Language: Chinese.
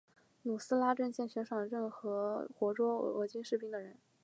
努斯拉阵线悬赏奖励任何活捉俄军士兵的人。